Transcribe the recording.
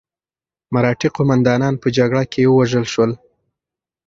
مرهټي قوماندانان په جګړه کې ووژل شول.